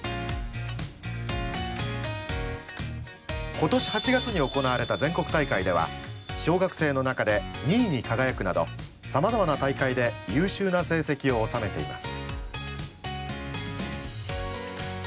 今年８月に行われた全国大会では小学生の中で２位に輝くなどさまざまな大会で優秀な成績を収めています。